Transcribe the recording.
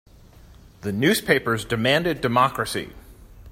The newspapers demanded democracy.